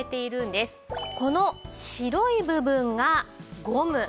この白い部分がゴム。